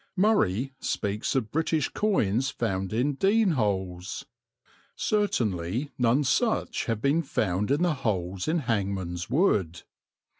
"Murray" speaks of British coins found in dene holes; certainly none such have been found in the holes in Hangman's Wood.